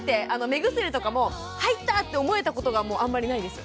目薬とかも入ったって思えたことがあんまりないです。